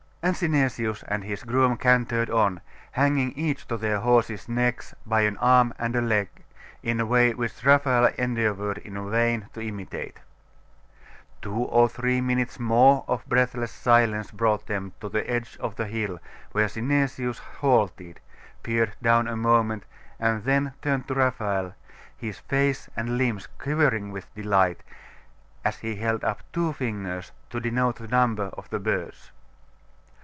And Synesius and his groom cantered on, hanging each to their horses' necks by an arm and a leg, in a way which Raphael endeavoured in vain to imitate. Two or three minutes more of breathless silence brought them to the edge of the hill, where Synesius halted, peered down a moment, and then turned to Raphael, his face and limbs quivering with delight, as he held up two fingers, to denote the number of the birds.